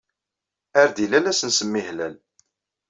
Ar d-ilal ad s-nsemmi Hlal.